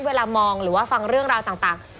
เวลามองหรือว่าฟังเรื่องราวต่าง